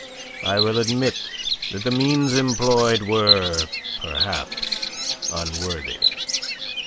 I will admit that the means employed were perhaps unworthy.